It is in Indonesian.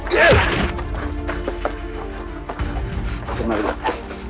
sebentar ya nak